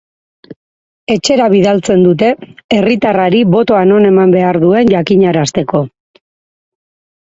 Etxera bidaltzen dute, herritarrari botoa non eman behar duen jakinarazteko.